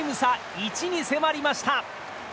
１に迫りました。